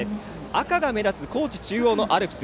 赤が目立つ高知中央のアルプス。